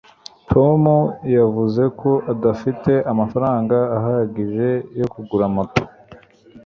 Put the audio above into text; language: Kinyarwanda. tom yavuze ko adafite amafaranga ahagije yo kugura moto